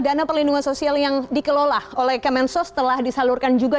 dana perlindungan sosial yang dikelola oleh kemensos telah disalurkan juga